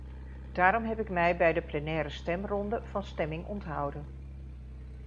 Daarom heb ik mij bij de plenaire stemronde van stemming onthouden.